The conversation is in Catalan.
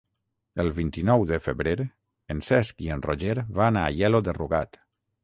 El vint-i-nou de febrer en Cesc i en Roger van a Aielo de Rugat.